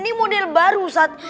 ini model baru ustadz